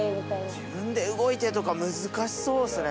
自分で動いてとか難しそうですね